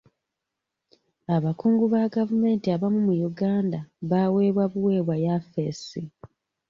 Abakungu ba gavumenti abamu mu Uganda baweebwa buweebwa yafesi.